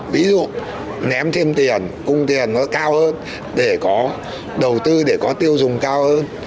ví dụ ném thêm tiền cung tiền nó cao hơn để có đầu tư để có tiêu dùng cao hơn